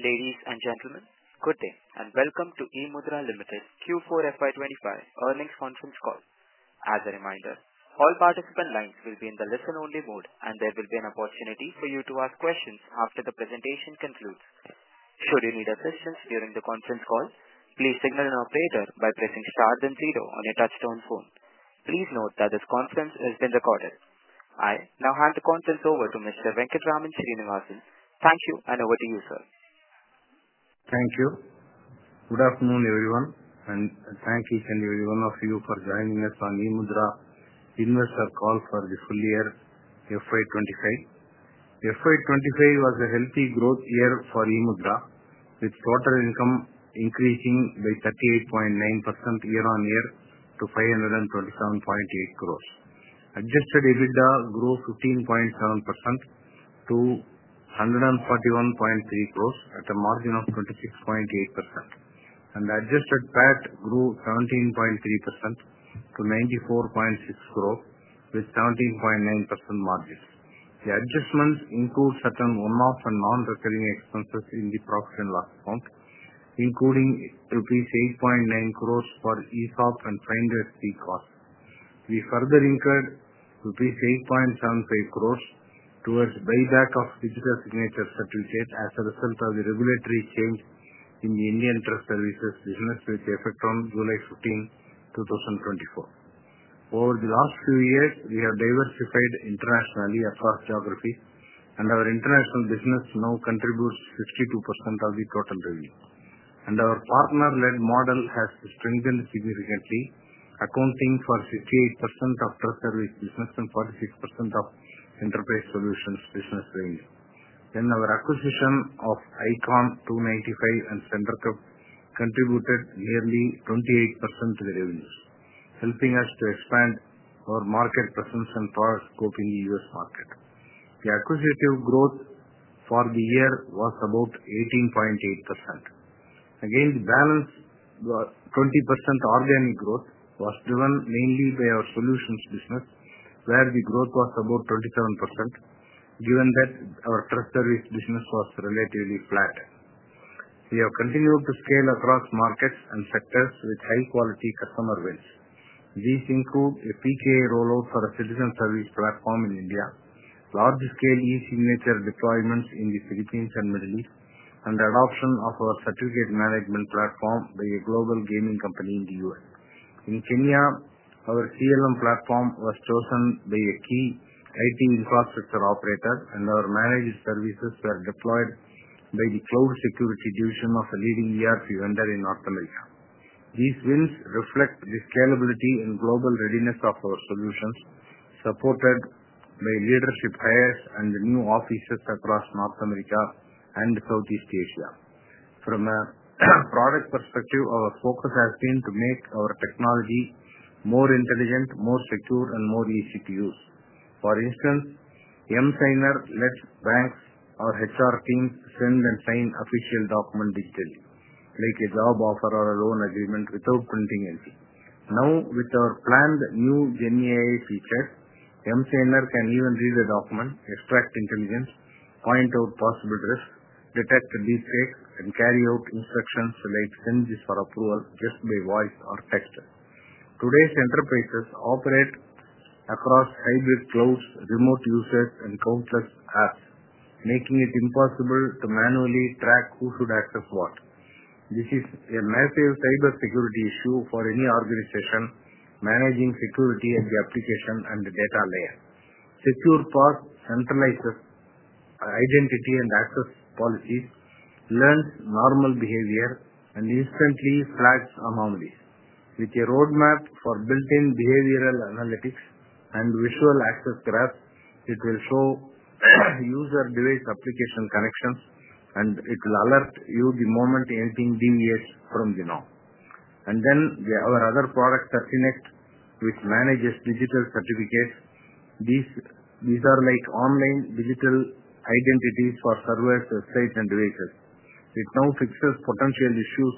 Ladies and gentlemen, good day and welcome to eMudhra Limited Q4 FY25 Earnings Conference Call. As a reminder, all participant lines will be in the listen-only mode, and there will be an opportunity for you to ask questions after the presentation concludes. Should you need assistance during the conference call, please signal an operator by pressing star then zero on your touch-tone phone. Please note that this conference has been recorded. I now hand the conference over to Mr. Venkatraman Srinivasan. Thank you, and over to you, sir. Thank you. Good afternoon, everyone, and thank each and every one of you for joining us on eMudhra Investor Call for the full year FY2025. FY2025 was a healthy growth year for eMudhra, with total income increasing by 38.9% year-on-year to 527.8 crore. Adjusted EBITDA grew 15.7% to 141.3 crore at a margin of 26.8%, and the adjusted PAT grew 17.3% to 94.6 crore with 17.9% margins. The adjustments include certain one-off and non-recurring expenses in the profit and loss account, including rupees 8.9 crore for ESOP and finders fee costs. We further incurred rupees 8.75 crore towards buyback of digital signature certificates as a result of the regulatory change in the Indian Trust Services business, which affected on July 15, 2024. Over the last few years, we have diversified internationally across geographies, and our international business now contributes 62% of the total revenue. Our partner-led model has strengthened significantly, accounting for 68% of trust service business and 46% of enterprise solutions business revenue. Our acquisition of Ikon, Two95 and Sendrcrypt contributed nearly 28% to the revenues, helping us to expand our market presence and power scope in the U.S. market. The acquisitive growth for the year was about 18.8%. The balance, 20% organic growth, was driven mainly by our solutions business, where the growth was about 27%, given that our trust service business was relatively flat. We have continued to scale across markets and sectors with high-quality customer wins. These include a PKI rollout for a citizen service platform in India, large-scale e-signature deployments in the Philippines and Middle East, and the adoption of our certificate management platform by a global gaming company in the U.S. In Kenya, our CLM platform was chosen by a key IT infrastructure operator, and our managed services were deployed by the cloud security division of a leading ERP vendor in North America. These wins reflect the scalability and global readiness of our solutions, supported by leadership hires and new offices across North America and Southeast Asia. From a product perspective, our focus has been to make our technology more intelligent, more secure, and more easy to use. For instance, emSigner lets banks or HR teams send and sign official documents digitally, like a job offer or a loan agreement, without printing anything. Now, with our planned new GenAI feature, emSigner can even read a document, extract intelligence, point out possible risks, detect deepfakes, and carry out instructions like send this for approval just by voice or text. Today's enterprises operate across hybrid clouds, remote users, and countless apps, making it impossible to manually track who should access what. This is a massive cybersecurity issue for any organization managing security at the application and the data layer. SecurePass centralizes identity and access policies, learns normal behavior, and instantly flags anomalies. With a roadmap for built-in behavioral analytics and visual access graphs, it will show user-device application connections, and it will alert you the moment anything deviates from the norm. There are other products that connect with managed digital certificates. These are like online digital identities for servers, websites, and devices. It now fixes potential issues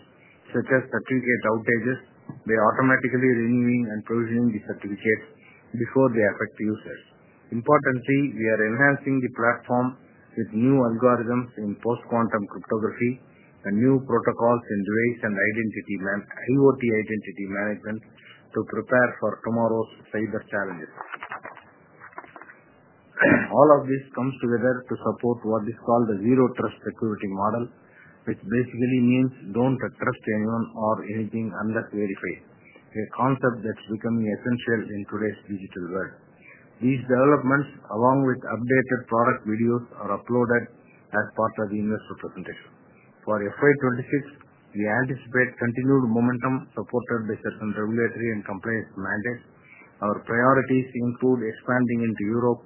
such as certificate outages by automatically renewing and provisioning the certificates before they affect users. Importantly, we are enhancing the platform with new algorithms in post-quantum cryptography and new protocols in device and IoT identity management to prepare for tomorrow's cyber challenges. All of this comes together to support what is called the Zero Trust Security Model, which basically means do not trust anyone or anything unless verified, a concept that's becoming essential in today's digital world. These developments, along with updated product videos, are uploaded as part of the investor presentation. For FY2026, we anticipate continued momentum supported by certain regulatory and compliance mandates. Our priorities include expanding into Europe,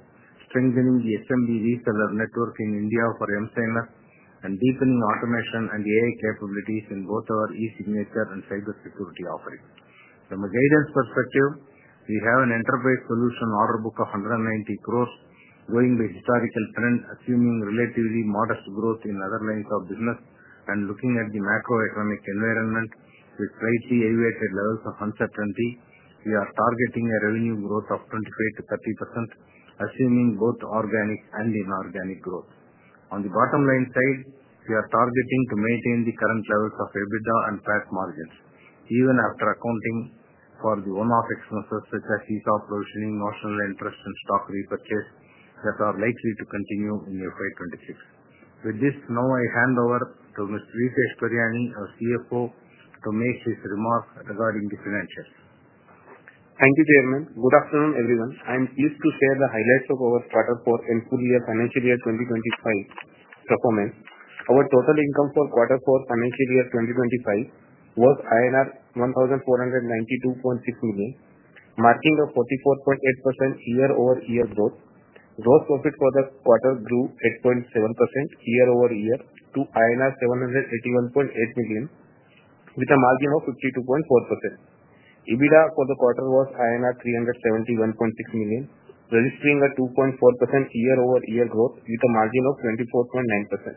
strengthening the SMB reseller network in India for emSigner, and deepening automation and AI capabilities in both our e-signature and cybersecurity offerings. From a guidance perspective, we have an enterprise solution order book of 190 crore. Going by historical trend, assuming relatively modest growth in other lines of business and looking at the macroeconomic environment with slightly elevated levels of uncertainty, we are targeting a revenue growth of 25%-30%, assuming both organic and inorganic growth. On the bottom line side, we are targeting to maintain the current levels of EBITDA and PAT margins, even after accounting for the one-off expenses such as ESOP provisioning, notional interest, and stock repurchase that are likely to continue in FY2026. With this, now I hand over to Mr. Ritesh Pariyani, our CFO, to make his remarks regarding the financials. Thank you, Chairman. Good afternoon, everyone. I'm pleased to share the highlights of our Q4 and full year financial year 2025 performance. Our total income for Q4 financial year 2025 was INR 1,492.6 million, marking a 44.8% year-over-year growth. Gross profit for the quarter grew 8.7% year-over-year to INR 781.8 million, with a margin of 52.4%. EBITDA for the quarter was INR 371.6 million, registering a 2.4% year-over-year growth with a margin of 24.9%.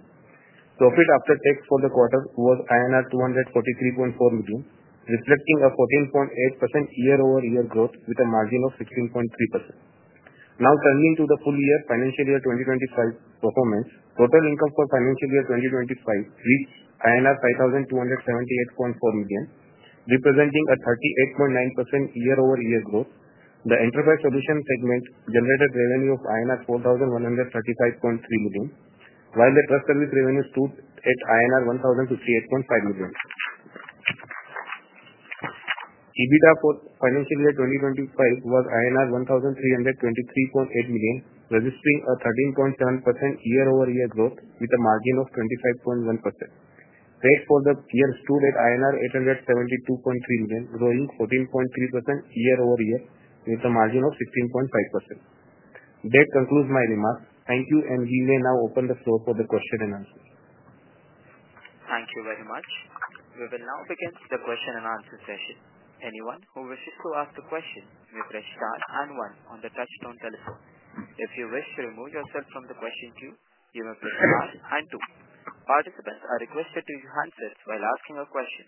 Profit after tax for the quarter was INR 243.4 million, reflecting a 14.8% year-over-year growth with a margin of 16.3%. Now turning to the full year financial year 2025 performance, total income for financial year 2025 reached INR 5,278.4 million, representing a 38.9% year-over-year growth. The enterprise solution segment generated revenue of INR 4,135.3 million, while the trust service revenues stood at INR 1,058.5 million. EBITDA for financial year 2025 was INR 1,323.8 million, registering a 13.7% year-over-year growth with a margin of 25.1%. PAT for the year stood at INR 872.3 million, growing 14.3% year-over-year with a margin of 16.5%. That concludes my remarks. Thank you, and we may now open the floor for the question and answers. Thank you very much. We will now begin the question and answer session. Anyone who wishes to ask a question may press star and one on the touch-tone telephone. If you wish to remove yourself from the question queue, you may press star and two. Participants are requested to use handsets while asking a question.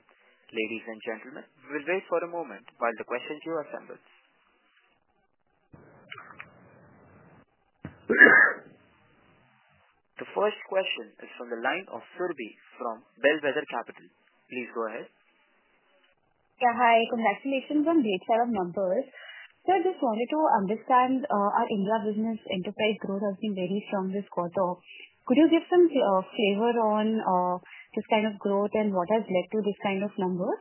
Ladies and gentlemen, we will wait for a moment while the question queue assembles. The first question is from the line of Surbhi from Bellwether Capital. Please go ahead. Yeah, hi. Congratulations on the hits out of numbers. Sir, I just wanted to understand our India business enterprise growth has been very strong this quarter. Could you give some flavor on this kind of growth and what has led to this kind of numbers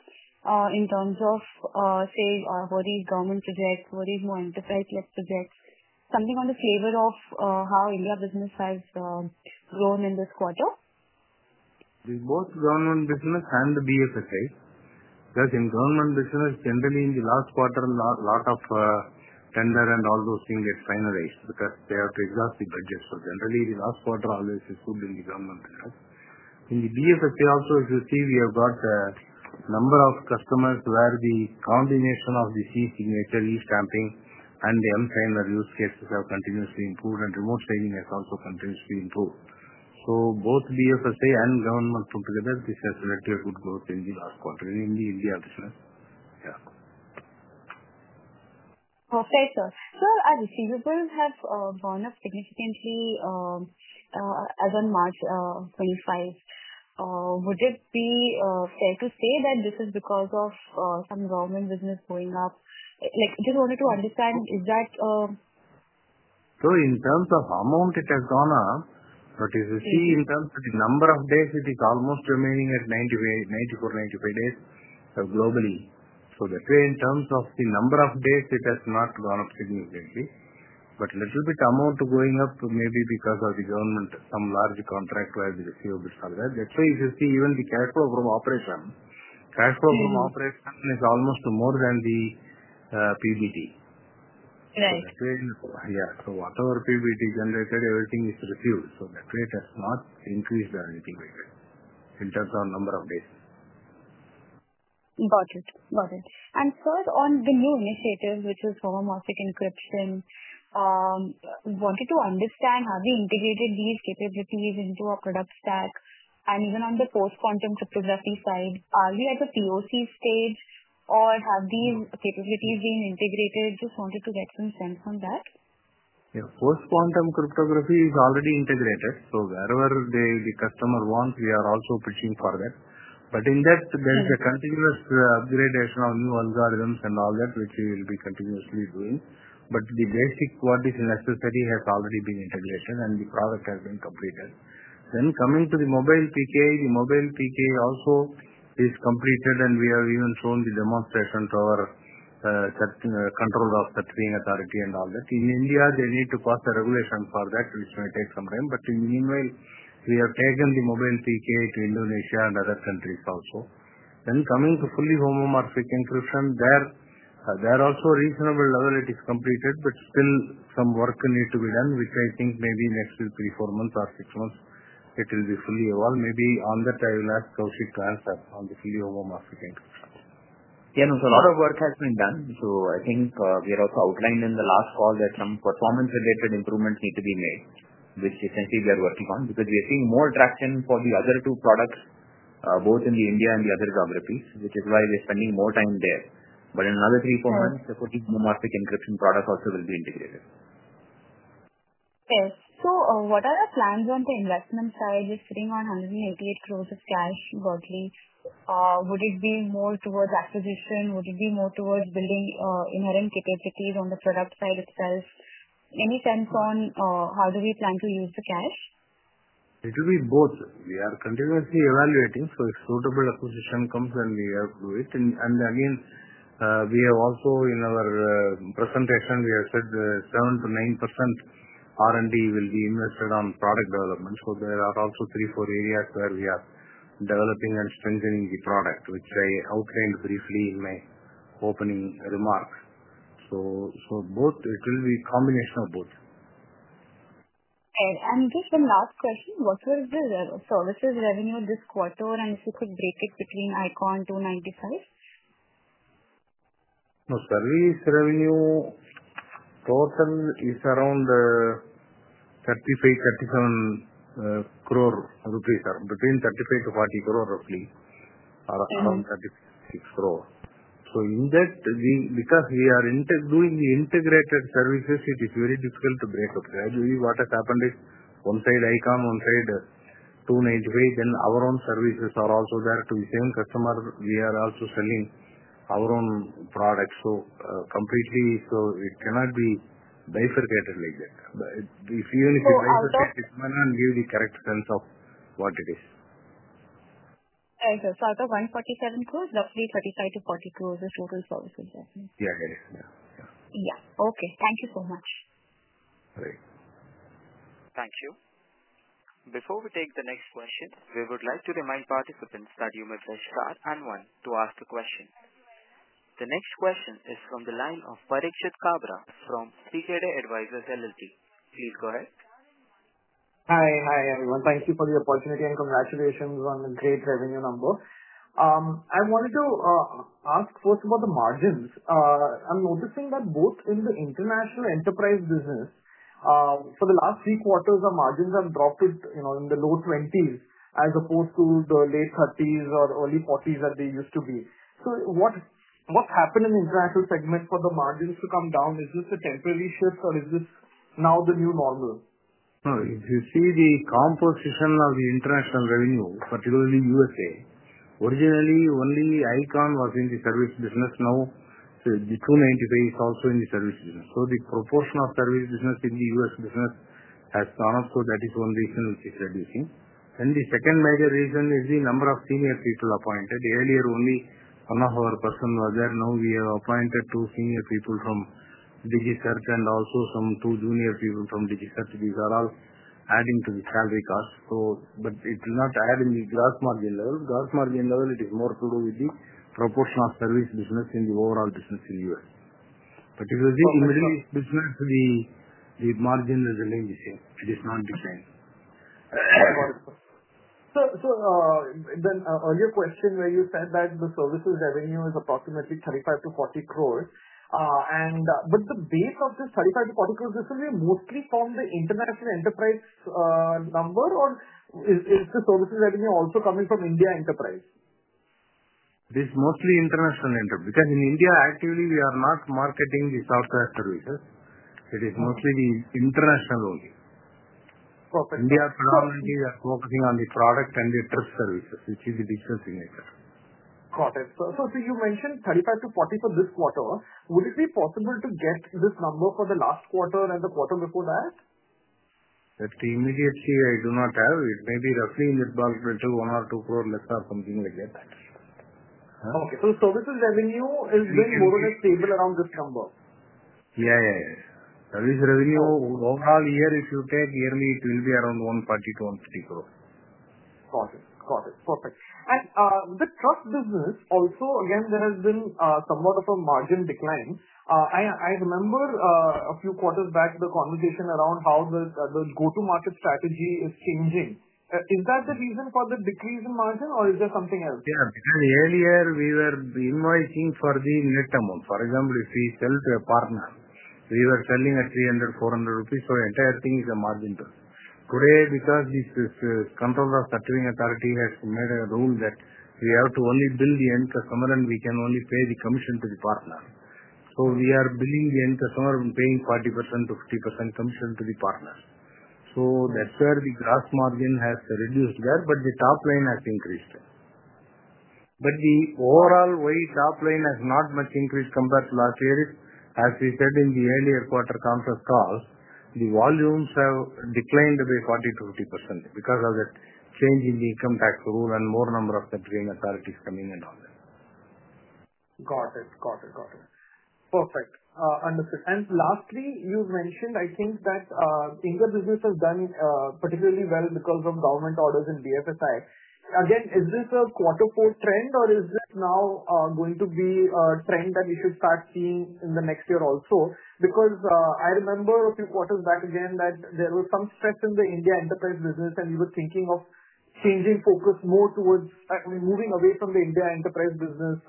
in terms of, say, worried government projects, worried more enterprise-led projects? Something on the flavor of how India business has grown in this quarter? Both government business and the BFSI. Because in government business, generally in the last quarter, a lot of tender and all those things get finalized because they have to exhaust the budgets. Generally, the last quarter always is good in the government business. In the BFSI also, as you see, we have got a number of customers where the combination of the e-signature, e-stamping, and the emSigner use cases have continuously improved, and remote signing has also continuously improved. Both BFSI and government put together, this has led to a good growth in the last quarter in the India business. Yeah. Okay, sir. Sir, our receivables have gone up significantly as of March 2025. Would it be fair to say that this is because of some government business going up? Just wanted to understand, is that? In terms of amount, it has gone up, but as you see, in terms of the number of days, it is almost remaining at 94 days-95 days globally. That way, in terms of the number of days, it has not gone up significantly. A little bit amount going up may be because of the government, some large contract-wise receivables are there. That way, as you see, even the cash flow from operation, cash flow from operation is almost more than the PBT. Right. Yeah. So whatever PBT generated, everything is received, so that rate has not increased or anything like that in terms of number of days. Got it. Got it. Sir, on the new initiative, which is homomorphic encryption, wanted to understand, have we integrated these capabilities into our product stack? Even on the post-quantum cryptography side, are we at the POC stage, or have these capabilities been integrated? Just wanted to get some sense on that. Yeah. Post-quantum cryptography is already integrated. So wherever the customer wants, we are also pitching for that. In that, there is a continuous upgradation of new algorithms and all that, which we will be continuously doing. The basic what is necessary has already been integrated, and the product has been completed. Coming to the mobile PKI, the mobile PKI also is completed, and we have even shown the demonstration to our Controller of the Certifying Authority and all that. In India, they need to pass a regulation for that, which may take some time. In the meanwhile, we have taken the mobile PKI to Indonesia and other countries also. Coming to fully homomorphic encryption, there also reasonable level it is completed, but still some work needs to be done, which I think maybe next three, four months or six months, it will be fully evolved. Maybe on that, I will ask Kaushik to answer on the fully homomorphic encryption. Yeah, no, sir. A lot of work has been done. I think we had also outlined in the last call that some performance-related improvements need to be made, which essentially we are working on because we are seeing more traction for the other two products, both in India and the other geographies, which is why we are spending more time there. In another three, four months, the fully homomorphic encryption product also will be integrated. Okay. What are the plans on the investment side? You're sitting on 188 crores of cash globally. Would it be more towards acquisition? Would it be more towards building inherent capabilities on the product side itself? Any sense on how do we plan to use the cash? It will be both. We are continuously evaluating. If suitable acquisition comes, then we have to do it. We have also in our presentation, we have said 7%-9% R and D will be invested on product development. There are also three, four areas where we are developing and strengthening the product, which I outlined briefly in my opening remarks. Both, it will be a combination of both. Okay. And just one last question. What was the services revenue this quarter, and if you could break it between Ikon Two95? No, service revenue total is around 35 crore- 37 crore rupees, sir. Between 35 crore- 40 crore roughly, around 36 crore. In that, because we are doing the integrated services, it is very difficult to break up. Gradually, what has happened is one side Ikon, one side Two95, then our own services are also there to the same customer. We are also selling our own products. Completely, it cannot be bifurcated like that. If you even if you bifurcate it, it may not give the correct sense of what it is. Okay. Out of INR 147 crores, roughly 35 crores -40 crores is total services. Yeah, yeah. Yeah. Okay. Thank you so much. Great. Thank you. Before we take the next question, we would like to remind participants that you may press star and one to ask a question. The next question is from the line of Parikshit Kabra from Pkeday Advisors LLP. Please go ahead. Hi. Hi, everyone. Thank you for the opportunity and congratulations on a great revenue number. I wanted to ask first about the margins. I'm noticing that both in the international enterprise business, for the last three quarters, our margins have dropped in the low 20%s as opposed to the late 30%s or early 40%s that they used to be. What's happened in the international segment for the margins to come down? Is this a temporary shift, or is this now the new normal? No, as you see, the composition of the international revenue, particularly U.S.A., originally only Ikon was in the service business. Now the Two95 is also in the service business. So the proportion of service business in the U.S. business has gone up. That is one reason which is reducing. The second major reason is the number of senior people appointed. Ea`rlier, only one of our person was there. Now we have appointed two senior people from DigiCert and also two junior people from DigiCert. These are all adding to the salary cost. It will not add in the gross margin level. Gross margin level, it is more to do with the proportion of service business in the overall business in the U.S. If you see the middle business, the margin has remained the same. It is not declined. Earlier question where you said that the services revenue is approximately 35 crore-40 crore. But the base of this 35- 40 crore, this will be mostly from the international enterprise number, or is the services revenue also coming from India enterprise? It is mostly international enterprise. Because in India, actively, we are not marketing the software services. It is mostly the international only. Perfect. India predominantly, we are focusing on the product and the trip services, which is the digital signature. Got it. So you mentioned 35 crore-40 crore for this quarter. Would it be possible to get this number for the last quarter and the quarter before that? That immediately I do not have. It may be roughly in the ballpark to 1 crore-2 crore less or something like that. Okay. So services revenue has been more or less stable around this number? Yeah. Service revenue overall year, if you take yearly, it will be around 140 crore-150 crore. Got it. Got it. Perfect. The trust business also, again, there has been somewhat of a margin decline. I remember a few quarters back, the conversation around how the go-to-market strategy is changing. Is that the reason for the decrease in margin, or is there something else? Yeah. Because earlier, we were invoicing for the net amount. For example, if we sell to a partner, we were selling at 300-400 rupees. The entire thing is a margin drop. Today, because this control of the certifying authority has made a rule that we have to only bill the end customer, and we can only pay the commission to the partner. We are billing the end customer and paying 40%-50% commission to the partners. That is where the gross margin has reduced there, but the top line has increased. The overall way top line has not much increased compared to last year. As we said in the earlier quarter conference calls, the volumes have declined by 40%-50% because of that change in the income tax rule and more number of certifying authorities coming and all that. Got it. Perfect. Understood. Lastly, you mentioned, I think, that India business has done particularly well because of government orders in BFSI. Again, is this a quarter for trend, or is that now going to be a trend that we should start seeing in the next year also? I remember a few quarters back again that there was some stress in the India enterprise business, and you were thinking of changing focus more towards moving away from the India enterprise business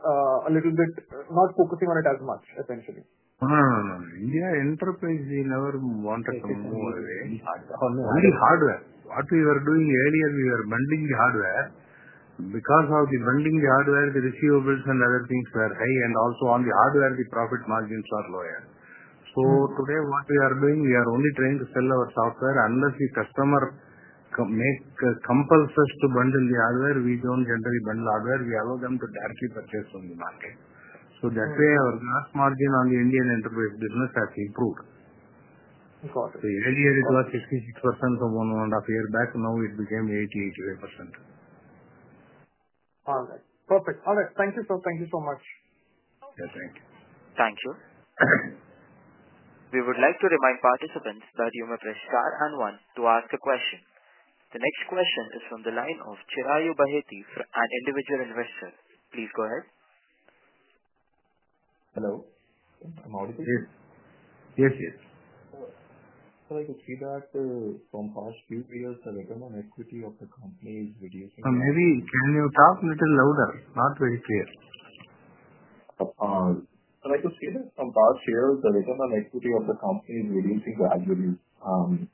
a little bit, not focusing on it as much, essentially. India enterprise, we never wanted to move away. Only hardware. What we were doing earlier, we were bundling the hardware. Because of the bundling the hardware, the receivables and other things were high, and also on the hardware, the profit margins were lower. Today, what we are doing, we are only trying to sell our software. Unless the customer makes compulses to bundle the hardware, we do not generally bundle hardware. We allow them to directly purchase from the market. That way, our gross margin on the Indian enterprise business has improved. Got it. Earlier, it was 66% from one and a half years back. Now it became 80%-85%. All right. Perfect. All right. Thank you, sir. Thank you so much. Yeah. Thank you. Thank you. We would like to remind participants that you may press star and one to ask a question. The next question is from the line of Chirayu Baheti, an individual investor. Please go ahead. Hello. I'm audible? Yes. Yes, yes. Sir, I could see that from past few years, the return on equity of the company is reducing. Maybe can you talk a little louder? Not very clear. Sir, I could see that from past years, the return on equity of the company is reducing gradually.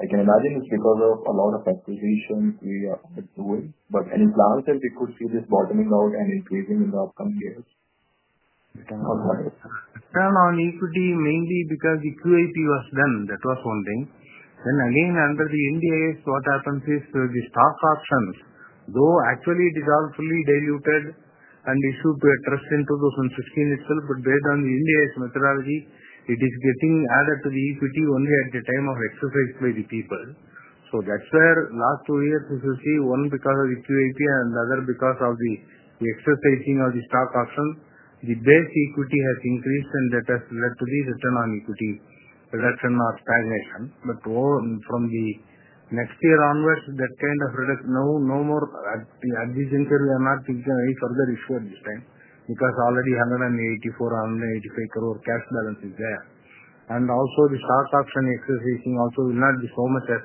I can imagine it's because of a lot of acquisitions we are doing. Any plans that we could see this bottoming out and increasing in the upcoming years? Return on equity, mainly because the QIP was done. That was one thing. Again, under the IndAS, what happens is the stock options, though actually it is all fully diluted and issued to a trust in 2016 itself, but based on the IndAS methodology, it is getting added to the equity only at the time of exercise by the people. That is where last two years, as you see, one because of the QIP and another because of the exercising of the stock option, the base equity has increased, and that has led to the return on equity reduction or stagnation. From the next year onwards, that kind of reduction no more. At this interview, I'm not thinking of any further issue at this time because already 184 crore-185 crore cash balance is there. Also, the stock option exercising also will not be so much as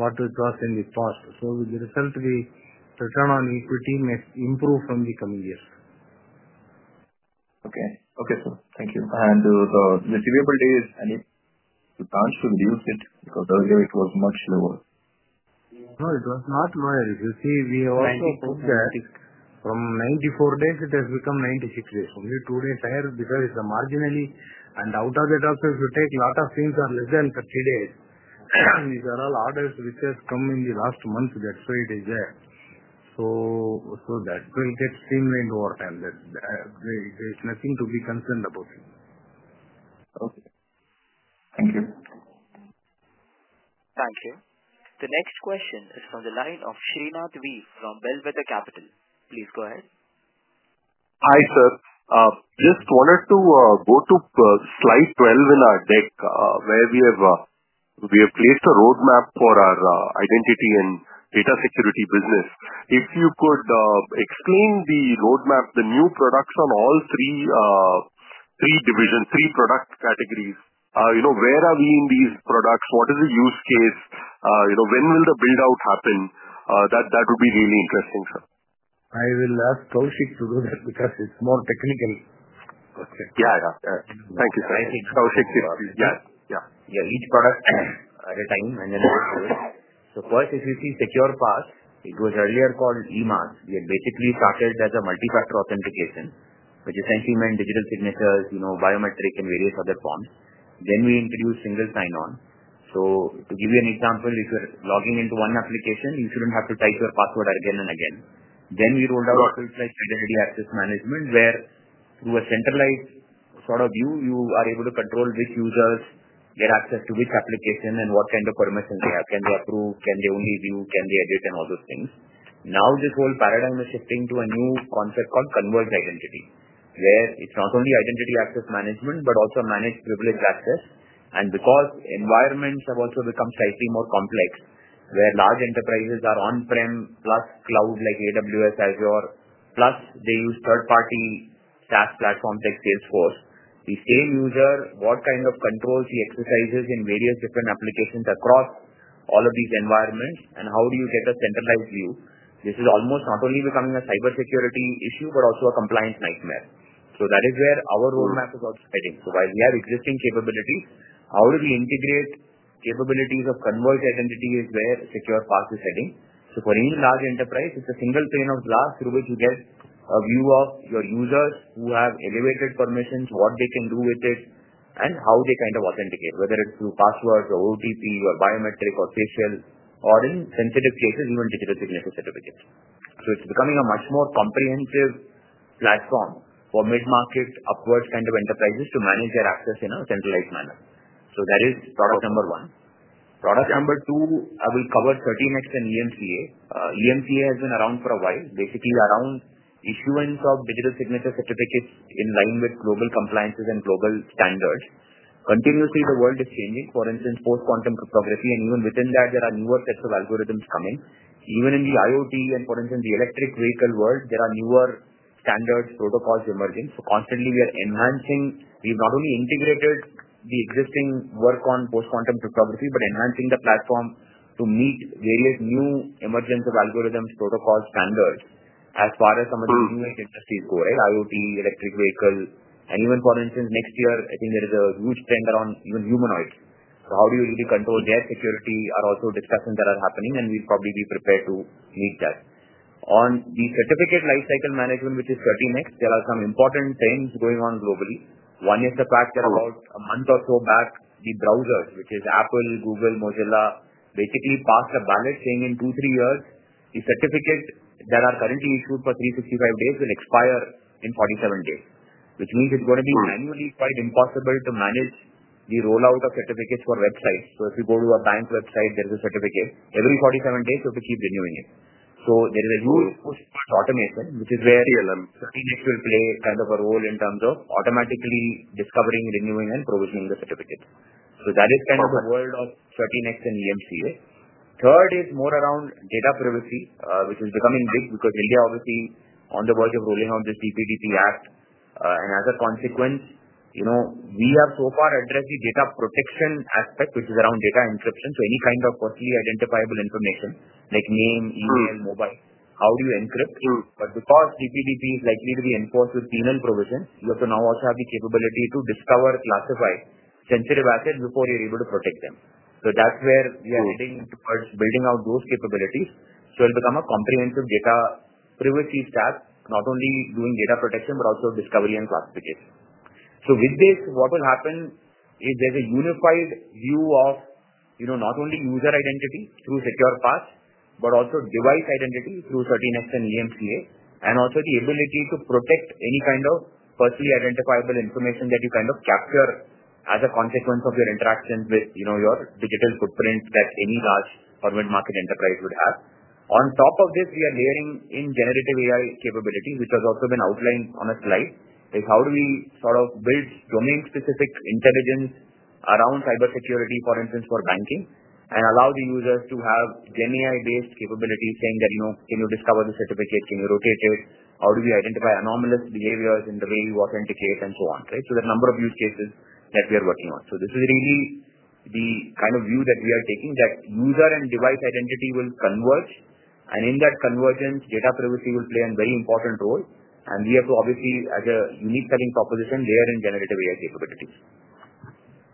what it was in the past. With the result, the return on equity may improve from the coming years. Okay. Okay, sir. Thank you. The receivability is any plans to reduce it because earlier it was much lower. No, it was not lower. As you see, we have also moved that from 94 days, it has become 96 days. Only two days higher because it is marginally. Out of that also, if you take, a lot of things are less than 30 days. These are all orders which have come in the last month. That is why it is there. That will get seen in over time. There is nothing to be concerned about. Okay. Thank you. Thank you. The next question is from the line of Srinath V from Bellwether Capital. Please go ahead. Hi, sir. Just wanted to go to slide 12 in our deck where we have placed a roadmap for our identity and data security business. If you could explain the roadmap, the new products on all three divisions, three product categories, where are we in these products? What is the use case? When will the build-out happen? That would be really interesting, sir. I will ask Kaushik to do that because it's more technical. Yeah, yeah. Thank you, sir. I think Kaushik is, yeah. Yeah. Yeah. Each product at a time and then go through it. First, as you see, SecurePass, it was earlier called emAS. We had basically started as a multi-factor authentication, which essentially meant digital signatures, biometric, and various other forms. Then we introduced single sign-on. To give you an example, if you're logging into one application, you shouldn't have to type your password again and again. We rolled out a filter like identity access management where through a centralized sort of view, you are able to control which users get access to which application and what kind of permissions they have. Can they approve? Can they only view? Can they edit? And all those things. Now this whole paradigm is shifting to a new concept called converged identity where it's not only identity access management, but also managed privilege access. Because environments have also become slightly more complex where large enterprises are on-prem plus cloud like AWS, Azure, plus they use third-party SaaS platforms like Salesforce, the same user, what kind of controls he exercises in various different applications across all of these environments, and how do you get a centralized view? This is almost not only becoming a cybersecurity issue, but also a compliance nightmare. That is where our roadmap is also heading. While we have existing capabilities, how do we integrate capabilities of converged identity is where SecurePass is heading. For any large enterprise, it is a single pane of glass through which you get a view of your users who have elevated permissions, what they can do with it, and how they kind of authenticate, whether it is through passwords or OTP or biometric or facial or in sensitive cases, even digital signature certificates. It's becoming a much more comprehensive platform for mid-market upward kind of enterprises to manage their access in a centralized manner. That is product number one. Product number two, I will cover CertiNext and emCA. emCA has been around for a while, basically around issuance of digital signature certificates in line with global compliances and global standards. Continuously, the world is changing. For instance, post-quantum cryptography, and even within that, there are newer sets of algorithms coming. Even in the IoT and, for instance, the electric vehicle world, there are newer standards, protocols emerging. Constantly, we are enhancing. We've not only integrated the existing work on post-quantum cryptography, but enhancing the platform to meet various new emergence of algorithms, protocols, standards as far as some of the newest industries go, right? IoT, electric vehicle, and even, for instance, next year, I think there is a huge trend around even humanoids. How do you really control their security are also discussions that are happening, and we'll probably be prepared to meet that. On the certificate lifecycle management, which is CertiNext, there are some important trends going on globally. One is the fact that about a month or so back, the browsers, which is Apple, Google, Mozilla, basically passed a ballot saying in two, three years, the certificates that are currently issued for 365 days will expire in 47 days, which means it's going to be manually quite impossible to manage the rollout of certificates for websites. If you go to a bank website, there's a certificate. Every 47 days, you have to keep renewing it. There is a huge push towards automation, which is where CertiNext will play kind of a role in terms of automatically discovering, renewing, and provisioning the certificates. That is kind of the world of CertiNext and emCA. Third is more around data privacy, which is becoming big because India, obviously, on the verge of rolling out this DPDP Act. As a consequence, we have so far addressed the data protection aspect, which is around data encryption. Any kind of personally identifiable information like name, email, mobile, how do you encrypt? Because DPDP is likely to be enforced with penal provision, you have to now also have the capability to discover, classify sensitive assets before you are able to protect them. That is where we are heading towards building out those capabilities. It'll become a comprehensive data privacy stack, not only doing data protection, but also discovery and classification. With this, what will happen is there's a unified view of not only user identity through SecurePass, but also device identity through CertiNext and emCA, and also the ability to protect any kind of personally identifiable information that you kind of capture as a consequence of your interactions with your digital footprint that any large government market enterprise would have. On top of this, we are layering in generative AI capability, which has also been outlined on a slide, like how do we sort of build domain-specific intelligence around cybersecurity, for instance, for banking, and allow the users to have GenAI-based capabilities saying that, "Can you discover the certificate? Can you rotate it? How do we identify anomalous behaviors in the way you authenticate?" and so on, right? There are a number of use cases that we are working on. This is really the kind of view that we are taking, that user and device identity will converge, and in that convergence, data privacy will play a very important role. We have to obviously, as a unique selling proposition, layer in generative AI capabilities.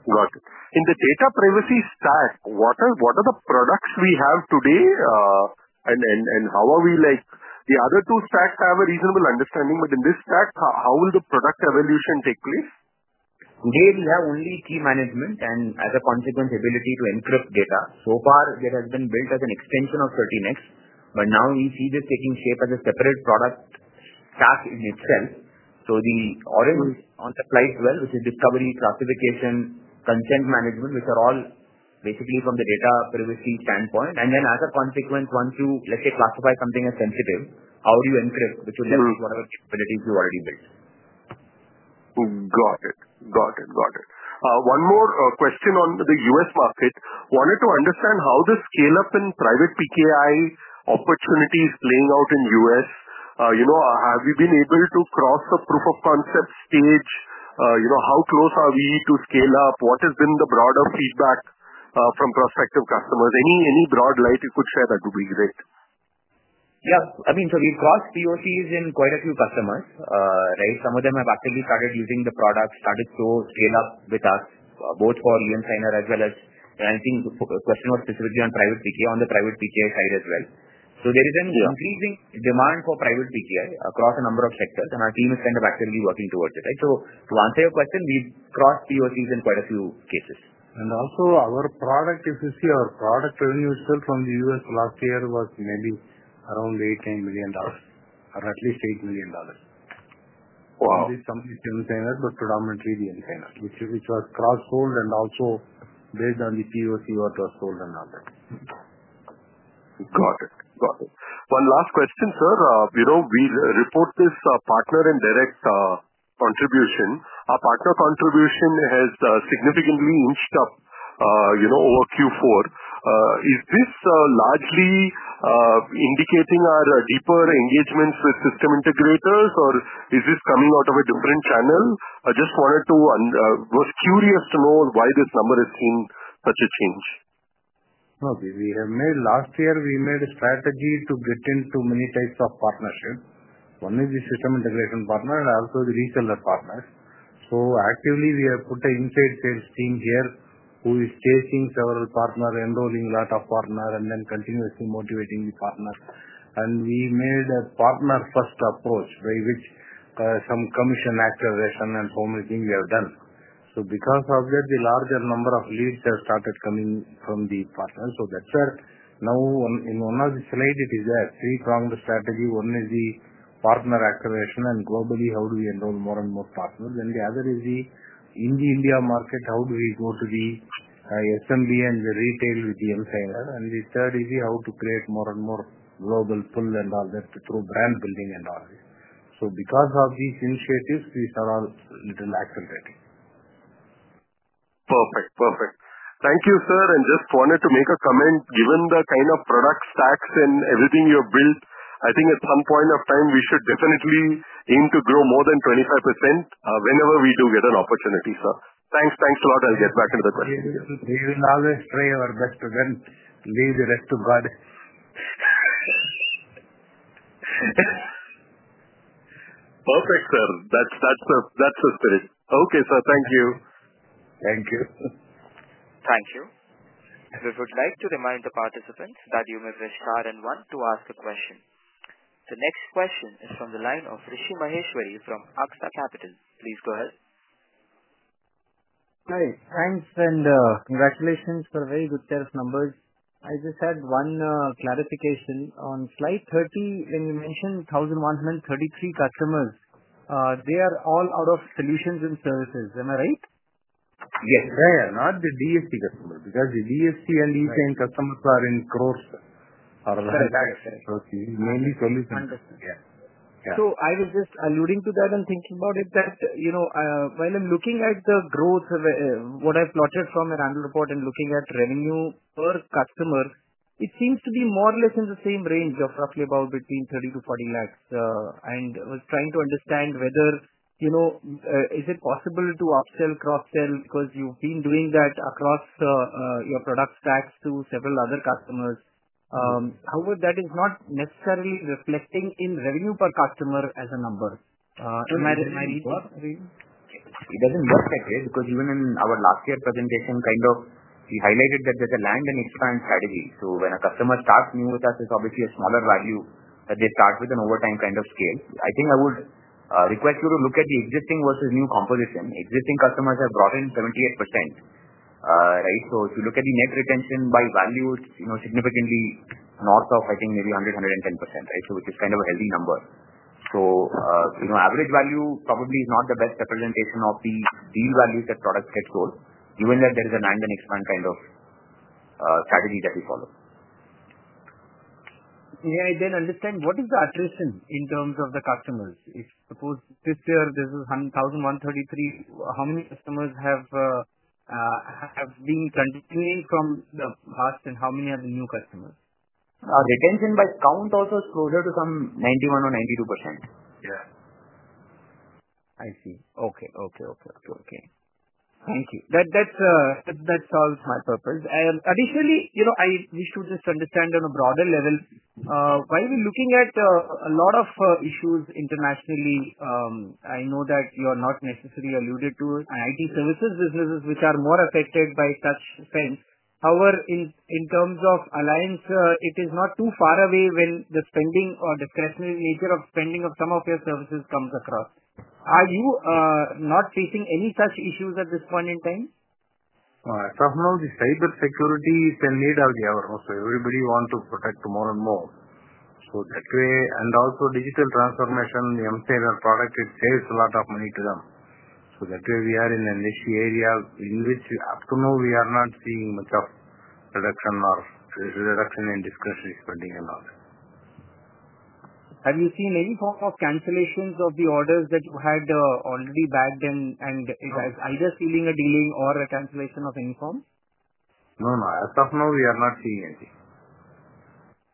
Got it. In the data privacy stack, what are the products we have today, and how are we like the other two stacks have a reasonable understanding, but in this stack, how will the product evolution take place? Today, we have only key management and, as a consequence, ability to encrypt data. So far, it has been built as an extension of CertiNext, but now we see this taking shape as a separate product stack in itself. The orange on the slide 12, which is discovery, classification, consent management, which are all basically from the data privacy standpoint. As a consequence, once you, let's say, classify something as sensitive, how do you encrypt, which will be whatever capabilities you already built? Got it. One more question on the U.S, market. Wanted to understand how the scale-up in private PKI opportunities is playing out in the U.S. Have we been able to cross the proof of concept stage? How close are we to scale up? What has been the broader feedback from prospective customers? Any broad light you could share, that would be great. Yeah. I mean, we've crossed POCs in quite a few customers, right? Some of them have actually started using the product, started to scale up with us, both for emSigner as well as, and I think the question was specifically on private PKI, on the private PKI side as well. There is an increasing demand for private PKI across a number of sectors, and our team is kind of actively working towards it, right? To answer your question, we've crossed POCs in quite a few cases. Also, our product, if you see, our product revenue itself from the U.S. last year was maybe around $8 million-$9 million, or at least $8 million. Wow. Probably some emSigner, but predominantly the emSigner, which was cross-sold and also based on the POC what was sold and not sold. Got it. Got it. One last question, sir. We report this partner and direct contribution. Our partner contribution has significantly inched up over Q4. Is this largely indicating our deeper engagements with system integrators, or is this coming out of a different channel? I just wanted to was curious to know why this number has seen such a change. No, we have made last year, we made a strategy to get into many types of partnerships. One is the system integration partner and also the reseller partners. Actively, we have put an inside sales team here who is chasing several partners, enrolling a lot of partners, and then continuously motivating the partners. We made a partner-first approach by which some commission accreditation and so many things we have done. Because of that, the larger number of leads have started coming from the partners. That is where now, in one of the slides, it is there. Three-pronged strategy. One is the partner accreditation and globally how do we enroll more and more partners. The other is in the India market, how do we go to the SMB and the retail with the emSigner. The third is how to create more and more global pull and all that through brand building and all this. Because of these initiatives, these are all a little accelerating. Perfect. Perfect. Thank you, sir. Just wanted to make a comment. Given the kind of product stacks and everything you have built, I think at some point of time, we should definitely aim to grow more than 25% whenever we do get an opportunity, sir. Thanks. Thanks a lot. I'll get back into the question. We will always try our best to then leave the rest to God. Perfect, sir. That's the spirit. Okay, sir. Thank you. Thank you. Thank you. We would like to remind the participants that you may press star and one to ask a question. The next question is from the line of Rishi Maheshwari from Aksa Capital. Please go ahead. Hi. Thanks and congratulations for very good sales numbers. I just had one clarification. On slide 30, when you mentioned 1,133 customers, they are all out of solutions and services. Am I right? Yes. They are not the DSC customers because the DSC and ESM customers are in crores. That's right. Mainly solutions. Yeah. Yeah. I was just alluding to that and thinking about it that when I'm looking at the growth, what I've plotted from a random report and looking at revenue per customer, it seems to be more or less in the same range of roughly about between 30 lakhs-40 lakhs. I was trying to understand whether is it possible to upsell, cross-sell because you've been doing that across your product stacks to several other customers. However, that is not necessarily reflecting in revenue per customer as a number. It does not work that way because even in our last year presentation, kind of we highlighted that there's a land and expand strategy. When a customer starts new with us, it's obviously a smaller value that they start with and over time kind of scale. I think I would request you to look at the existing versus new composition. Existing customers have brought in 78%, right? If you look at the net retention by value, it's significantly north of, I think, maybe 100%-110%, right? Which is kind of a healthy number. Average value probably is not the best representation of the deal values that products get sold, given that there is a land and expand kind of strategy that we follow. May I then understand what is the attrition in terms of the customers? If suppose this year, this is 1,133, how many customers have been continuing from the past, and how many are the new customers? Retention by count also is closer to 91% or 92%. Yeah. I see. Okay. Thank you. That solves my purpose. Additionally, I wish to just understand on a broader level, while we're looking at a lot of issues internationally, I know that you are not necessarily alluded to IT services businesses, which are more affected by such spend. However, in terms of alliance, it is not too far away when the spending or discretionary nature of spending of some of your services comes across. Are you not facing any such issues at this point in time? All right. Of now, the cybersecurity is a need of the hour. Everybody wants to protect more and more. That way, and also digital transformation, the emSigner product, it saves a lot of money to them. That way, we are in an issue area in which, up to now, we are not seeing much of reduction or reduction in discretionary spending and all that. Have you seen any form of cancellations of the orders that you had already bagged and it is either sealing a deal or a cancellation of any form? No, no. As of now, we are not seeing anything.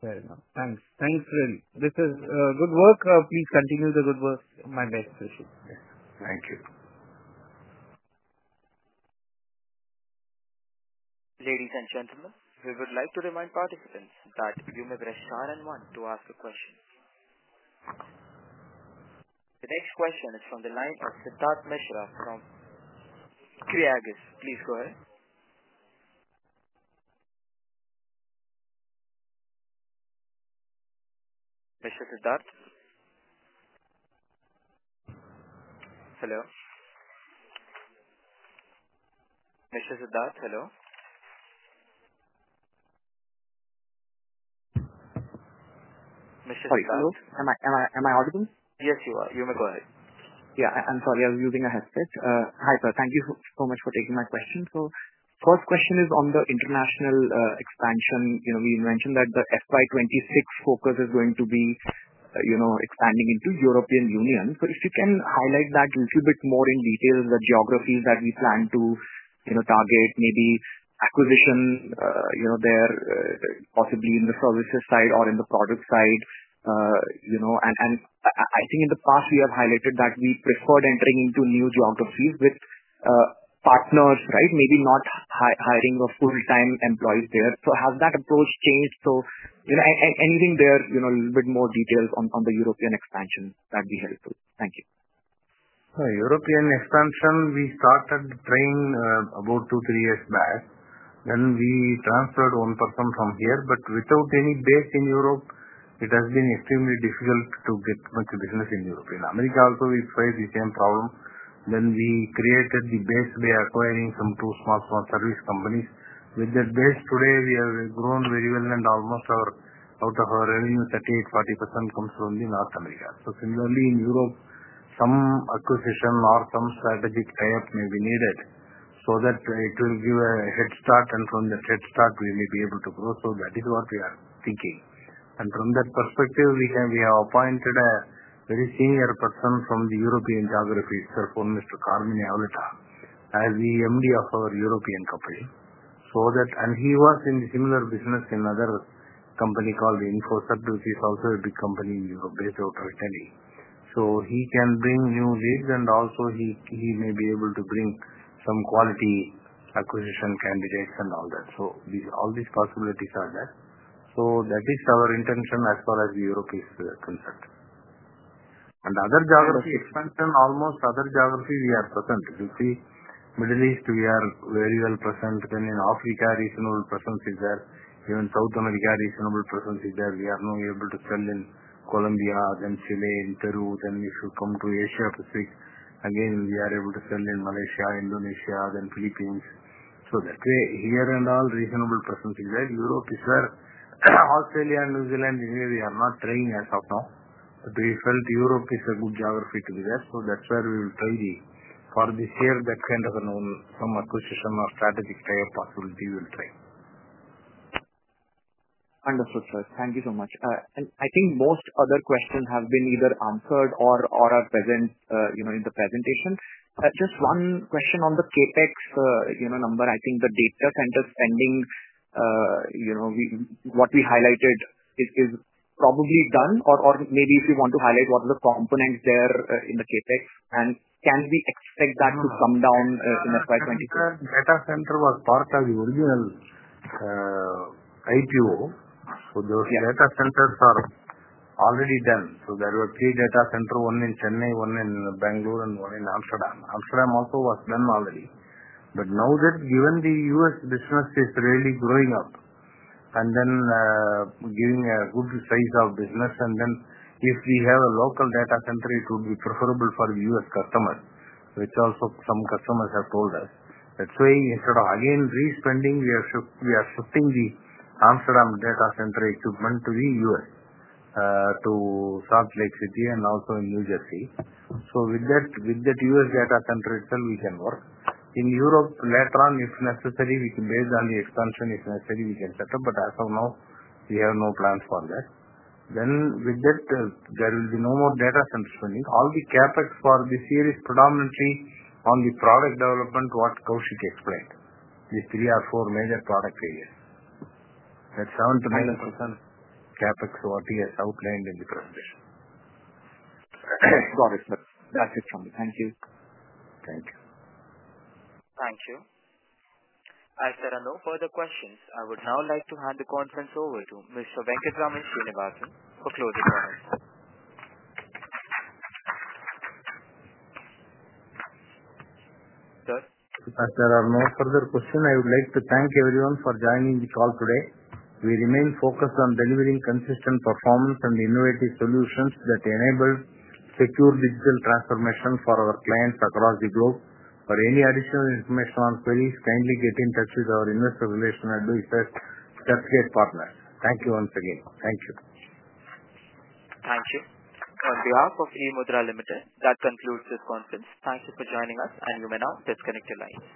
Fair enough. Thanks. Thanks, Rin. This is good work. Please continue the good work. My best wishes. Thank you. Ladies and gentlemen, we would like to remind participants that you may press star and one to ask a question. The next question is from the line of Siddharth Mishra from Creaegis. Please go ahead. Mister Siddharth? Hello? Mister Siddharth, hello? Mister Siddharth? Hello? Am I audible? Yes, you are. You may go ahead. Yeah. I'm sorry. I was using a headset. Hi, sir. Thank you so much for taking my question. First question is on the international expansion. We mentioned that the FY2026 focus is going to be expanding into the European Union. If you can highlight that a little bit more in detail, the geographies that we plan to target, maybe acquisition there, possibly in the services side or in the product side. I think in the past, we have highlighted that we preferred entering into new geographies with partners, right? Maybe not hiring full-time employees there. Has that approach changed? Anything there, a little bit more details on the European expansion, that would be helpful. Thank you. European expansion, we started trying about two, three years back. Then we transferred one person from here. Without any base in Europe, it has been extremely difficult to get much business in Europe. In America also, we face the same problem. We created the base by acquiring some two small, small service companies. With that base, today, we have grown very well and almost out of our revenue, 38%-40% comes from North America. Similarly, in Europe, some acquisition or some strategic tie-up may be needed so that it will give a head start, and from that head start, we may be able to grow. That is what we are thinking. From that perspective, we have appointed a very senior person from the European geography itself, Mr. Carmine Auletta, as the MD of our European company. He was in similar business in another company called InfoCert, which is also a big company in Europe based out of Italy. He can bring new leads, and also he may be able to bring some quality acquisition candidates and all that. All these possibilities are there. That is our intention as far as Europe is concerned. Other geography expansion, almost other geography, we are present. You see, Middle East, we are very well present. In Africa, reasonable presence is there. Even South America, reasonable presence is there. We are now able to sell in Colombia, Chile, Peru. If you come to Asia Pacific, again, we are able to sell in Malaysia, Indonesia, Philippines. That way, here and all, reasonable presence is there. Europe is where Australia, New Zealand, India, we are not trying as of now. We felt Europe is a good geography to be there. That is where we will try for this year, that kind of some acquisition or strategic tie-up possibility we will try. Wonderful, sir. Thank you so much. I think most other questions have been either answered or are present in the presentation. Just one question on the CapEx number. I think the data center spending, what we highlighted, is probably done, or maybe if you want to highlight what are the components there in the CapEx, and can we expect that to come down in FY2026? Data center was part of the original IPO. Those data centers are already done. There were three data centers, one in Chennai, one in Bangalore, and one in Amsterdam. Amsterdam also was done already. Now that the U.S. business is really growing up and giving a good size of business, if we have a local data center, it would be preferable for the U.S. customers, which also some customers have told us. That way, instead of again re-spending, we are shifting the Amsterdam data center equipment to the U.S., to Salt Lake City and also in New Jersey. With that U.S. data center itself, we can work. In Europe, later on, if necessary, based on the expansion, if necessary, we can set up. As of now, we have no plans for that. With that, there will be no more data center spending. All the CapEx for this year is predominantly on the product development, what Kaushik explained, the three or four major product areas. That is 7%-9% CapEx as outlined in the presentation. Got it, sir. That's it from me. Thank you. Thank you. Thank you. As there are no further questions, I would now like to hand the conference over to Mr. Venkatraman Srinivasan for closing comments. Sir. As there are no further questions, I would like to thank everyone for joining the call today. We remain focused on delivering consistent performance and innovative solutions that enable secure digital transformation for our clients across the globe. For any additional information or queries, kindly get in touch with our investor relation and research certificate partners. Thank you once again. Thank you. Thank you. On behalf of eMudhra Limited, that concludes this conference. Thank you for joining us, and you may now disconnect your lines.